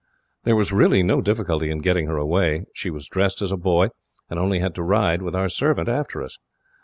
"There was really no difficulty in getting her away. She was dressed as a boy, and only had to ride, with our servant, after us.